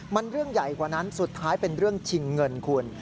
มันเรื่องใหญ่กว่านั้นสุดท้ายเป็นเรื่องชิงเงินคุณ